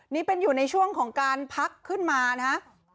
นี่เป็นอยู่ในช่วงของการพักขึ้นมานะฮะ